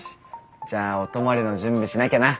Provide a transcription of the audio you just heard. じゃあお泊まりの準備しなきゃな。